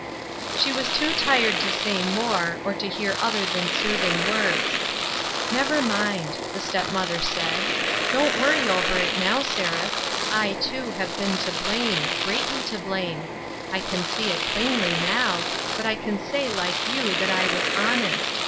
She was too tired to say more, or to hear other than soothing words. " Never mind," the step mother said. " Don't worry over it now, Seraph. I, too, have been to blame — greatly to blame ; I can see it plainly now, but I can say, like you, that I was honest.